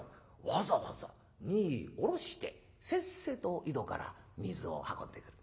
わざわざ荷下ろしてせっせと井戸から水を運んでくる。